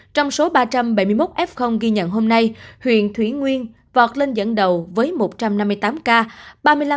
trong số ba trăm bảy mươi một f ghi nhận hôm nay huyện thủy nguyên vọt lên dẫn đầu với một trăm năm mươi tám ca